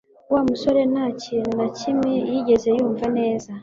Wa musore nta kintu na kimwe yigeze yumva neza